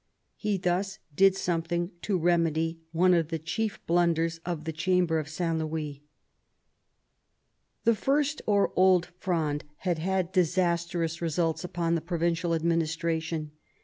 He thus did something to remedy one of the chief blunders of the Chamber of St. Louis. The First or Old Fronde had had disastrous results upon the provincial administration.